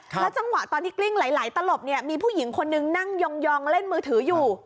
แล้วจังหวะตอนที่กลิ้งไหลตลบเนี่ยมีผู้หญิงคนนึงนั่งยองเล่นมือถืออยู่